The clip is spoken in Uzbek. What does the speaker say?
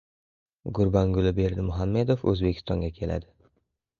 Gurbanguli Berdimuhamedov O‘zbekistonga keladi